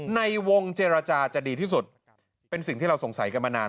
ในวงเจรจาจะดีที่สุดเป็นสิ่งที่เราสงสัยกันมานาน